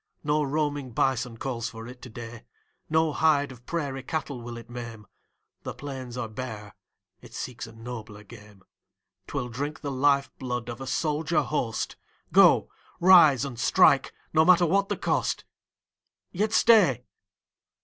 No roaming bison calls for it to day; No hide of prairie cattle will it maim; The plains are bare, it seeks a nobler game: 'Twill drink the life blood of a soldier host. Go; rise and strike, no matter what the cost. Yet stay.